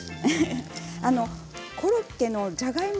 コロッケのじゃがいも